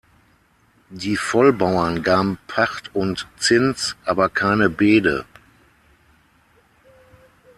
Die Vollbauern gaben Pacht und Zins, aber keine Bede.